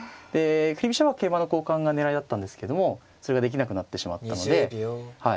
振り飛車は桂馬の交換が狙いだったんですけどもそれができなくなってしまったのではい